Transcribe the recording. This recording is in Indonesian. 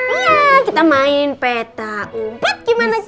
ya kita main peta umpet gimana cus